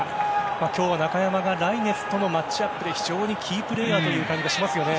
今日は中山がライネスとのマッチアップで非常にキープレーヤーという感じがしますね。